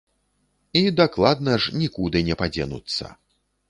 І дакладна ж, нікуды не падзенуцца.